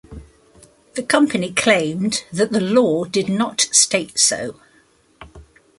The company claimed that the law did not state so.